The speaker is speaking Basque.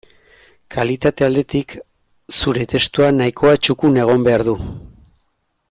Kalitate aldetik, zure testua nahikoa txukun egon behar du.